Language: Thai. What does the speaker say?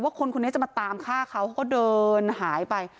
คนคนนี้จะมาตามฆ่าเขาเขาก็เดินหายไป